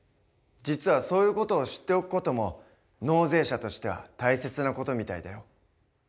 実はそういう事を知っておく事も納税者としては大切な事みたいだよ。